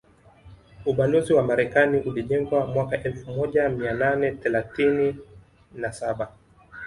Ubalozi wa Marekani ulijengwa mwaka elfu moja mia nane thelathine na saba